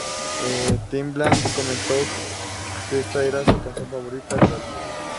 Timbaland comentó que esta era su canción favorita del álbum.